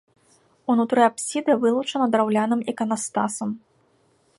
Унутры апсіда вылучана драўляным іканастасам.